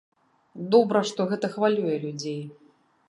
Добра, што гэта хвалюе людзей.